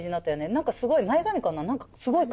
何かすごい前髪かな？